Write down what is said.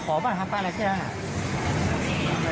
ก็มันเจาะแค่๘๐